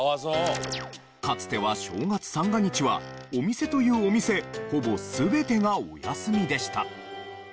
かつては正月三が日はお店というお店ほぼ全てがお休みでした。